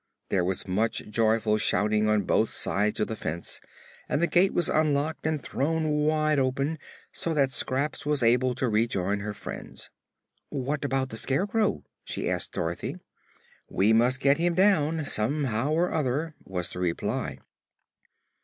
There was much joyful shouting on both sides of the fence and the gate was unlocked and thrown wide open, so that Scraps was able to rejoin her friends. "What about the Scarecrow?" she asked Dorothy. "We must get him down, somehow or other," was the reply.